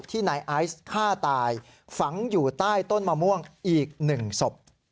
นายไอซ์ฆ่าตายฝังอยู่ใต้ต้นมะม่วงอีก๑ศพ